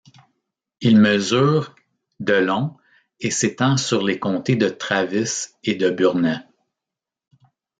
Il mesure de long et s'étend sur les comtés de Travis et de Burnet.